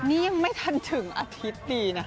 นี่ยังไม่ทันถึงอาทิตย์ดีนะคะ